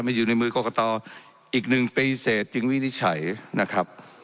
อยู่ในมือกรกตอีก๑ปีเสร็จจึงวินิจฉัยนะครับ